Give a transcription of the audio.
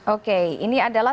oke ini adalah